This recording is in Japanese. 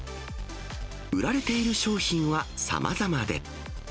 売られている商品はさまざまで。